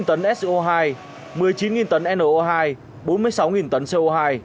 hai tấn so hai một mươi chín tấn no hai bốn mươi sáu tấn co hai